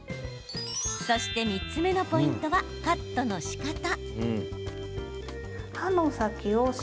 そして、３つ目のポイントはカットのしかた。